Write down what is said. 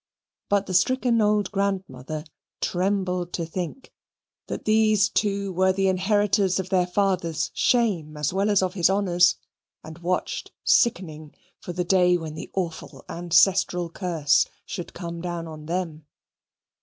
But the stricken old grandmother trembled to think that these too were the inheritors of their father's shame as well as of his honours, and watched sickening for the day when the awful ancestral curse should come down on them.